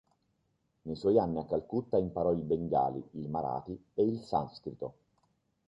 Nei suoi anni a Calcutta imparò il bengali, il marathi e il sanscrito.